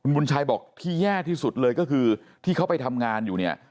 บุญชัยบอกที่แย่ที่สุดเลยก็คือที่เขาไปทำงานอยู่เนี่ย